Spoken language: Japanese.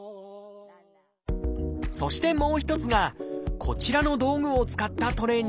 そしてもう一つがこちらの道具を使ったトレーニング。